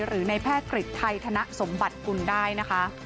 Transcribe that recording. หรือในแพทย์กฤษไทยธนสมบัติกุลได้นะคะ